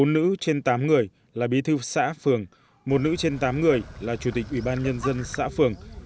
bốn nữ trên tám người là bí thư xã phường một nữ trên tám người là chủ tịch ủy ban nhân dân xã phường